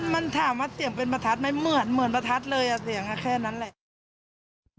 มันถามว่าเสียงเป็นประทัดไหมเหมือนประทัดเลยอ่ะเสียงแค่นั้นแหละ